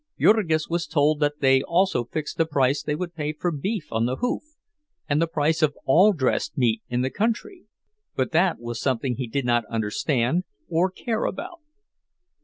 Jurgis was told that they also fixed the price they would pay for beef on the hoof and the price of all dressed meat in the country; but that was something he did not understand or care about.